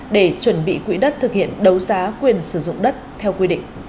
để chuẩn bị quỹ đất thực hiện đấu giá quyền sử dụng đất theo quy định